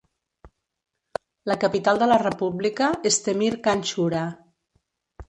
La capital de la República és Temir-Khan-Shura.